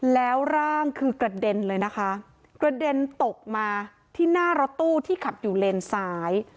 แล้วร่างคือกระเด็นเลยนะคะกระเด็นตกมาที่หน้ารถตู้ที่ขับอยู่เลนซ้าย